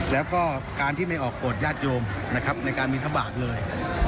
และก็การที่ไม่ออกโกรธญาติโยมในการมีทะบากเลย